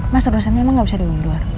mas urusannya emang nggak bisa digung luar